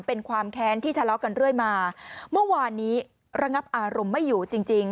เป็นความแค้นที่ทะเลาะกันเรื่อยมาเมื่อวานนี้ระงับอารมณ์ไม่อยู่จริงจริง